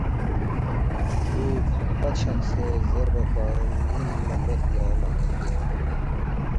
”ن٘ی کھوقپہ چقسے زیربا کھوانگ یَنما مید یانگ لہ